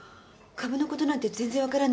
株のことなんて全然分からないし